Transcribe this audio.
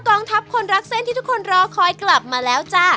กองทัพคนรักเส้นที่ทุกคนรอคอยกลับมาแล้วจ้า